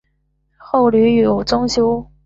后屡有增修。